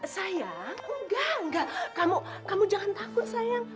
saya enggak enggak kamu jangan takut sayang